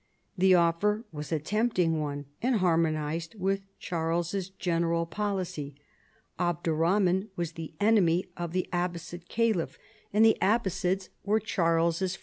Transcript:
The offer Avas a tempting one and harmonized with Charles's general policy. Abderrahman was the enemy of the Ab baside caliph, and the Abbasides were Charles's RONCESVALLES.